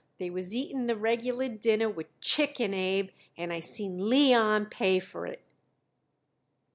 They was eating the regular dinner with chicken, Abe, and I seen Leon pay for it."